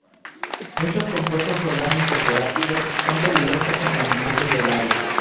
Muchos compuestos orgánicos volátiles son peligrosos contaminantes del aire.